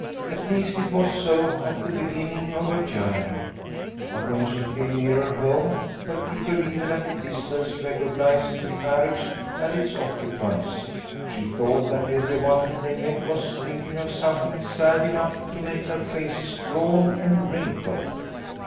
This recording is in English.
At least it was so at the beginning of her journey, but when she came nearer home, where people, even at a distance, recognised the carriage and its occupants, she thought that everyone they met was thinking of something sad enough to make their faces drawn and wrinkled.